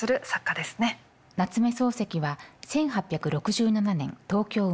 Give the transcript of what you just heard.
夏目漱石は１８６７年東京生まれ。